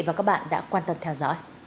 và các bạn đã quan tâm theo dõi